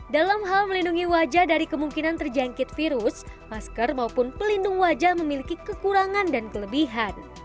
dalam hal melindungi wajah dari kemungkinan terjangkit virus masker maupun pelindung wajah memiliki kekurangan dan kelebihan